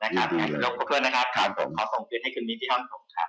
แล้วก็เพื่อนขอส่งเตรียมให้คุณผู้ชม